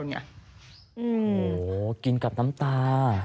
โอ้โหกินกับน้ำตา